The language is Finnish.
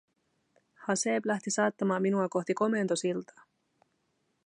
Haseeb lähti saattamaan minua kohti komentosiltaa.